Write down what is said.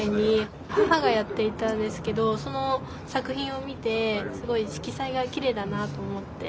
母がやっていたんですけどその作品を見てすごい色彩がきれいだなと思って。